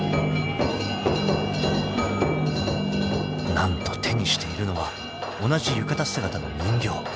［何と手にしているのは同じ浴衣姿の人形］